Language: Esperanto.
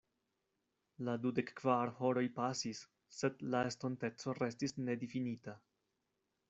La dudek-kvar horoj pasis, sed la estonteco restis nedifinita.